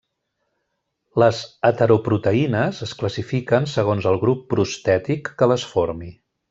Les heteroproteïnes es classifiquen segons el grup prostètic que les formi.